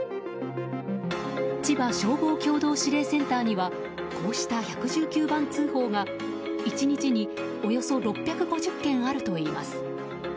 ちば消防共同指令センターにはこうした１１９番通報が１日に、およそ６５０件あるといいます。